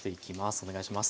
お願いします。